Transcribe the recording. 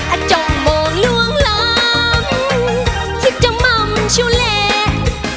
อ่ะจมมองลวงลำคิดจะม่ำชิ้วแรก